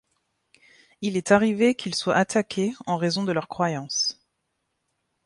Il est arrivé qu'ils soient attaqués en raison de leurs croyances.